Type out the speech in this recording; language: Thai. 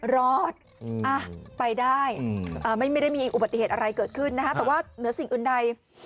รอดไปได้ไม่ได้มีอุบัติเหตุอะไรเกิดขึ้นนะฮะแต่ว่าเหนือสิ่งอื่นใด